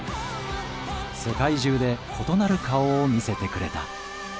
世界中で異なる顔を見せてくれた。